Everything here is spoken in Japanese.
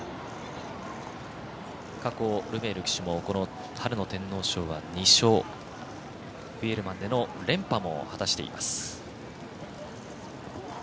過去、ルメール騎手も春の天皇賞は２勝フィエールマンでの連覇も果たしています。